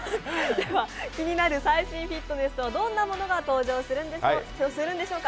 気になる最新フィットネス、どんなものが登場するんでしょうか。